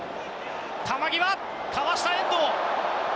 球際、かわした遠藤。